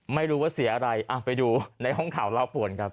ไม่รู้ว่าเสียอะไรไปดูในห้องข่าวเล่าป่วนครับ